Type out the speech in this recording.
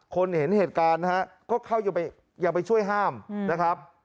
คนเห็นเหตุการณ์นะฮะก็เข้าอยู่ไปอยากไปช่วยห้ามนะครับ